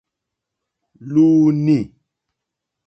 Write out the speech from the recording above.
Lúúnî.